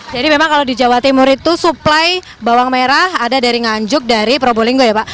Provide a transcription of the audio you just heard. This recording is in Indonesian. jadi memang kalau di jawa timur itu supply bawang merah ada dari nganjur dari pro bolinggo ya pak